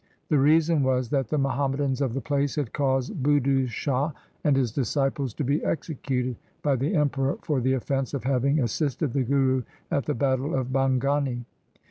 The reason was that the Muham madans of the place had caused Budhu Shah and his disciples to be executed by the Emperor for the offence of having assisted the Guru at the battle of Bhangani.